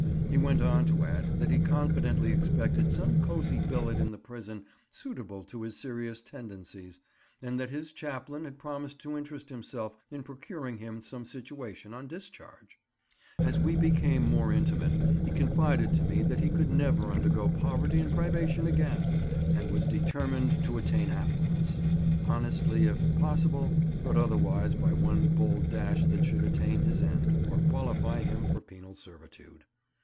He went on to add that he confidently expected some cozy billet in the prison suitable to his serious tendencies, and that his chaplain had promised to interest himself in procuring him some situation on discharge. As we became more intimate, he confided to me that he could never undergo poverty and privation again, and was determined to attain affluence, honestly if possible, but otherwise by one bold dash that should attain his end, or qualify him for penal servitude.